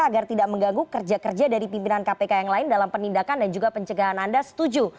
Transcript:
agar tidak mengganggu kerja kerja dari pimpinan kpk yang lain dalam penindakan dan juga pencegahan anda setuju